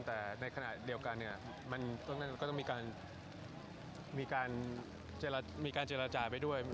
แต่ในขณะเดียวกันก็ต้องมีการเจรจาไปด้วย